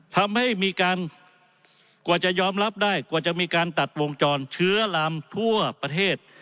ทำให้มีการกว่าจะยอมรับได้กว่าจะมีการตัดวงจรเชื้อลามทั่วประเทศ